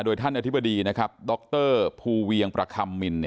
ท่านอธิบดีนะครับดรภูเวียงประคำมิน